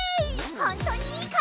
ほんとにいいか！？